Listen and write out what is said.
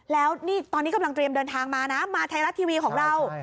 แล้วนี่ตอนนี้กำลังเตรียมเดินทางมานะมาไทยรัฐทีวีของเรา